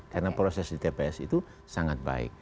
karena proses di tps itu sangat baik